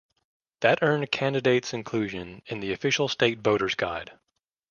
That earned candidates inclusion in the official state voters guide.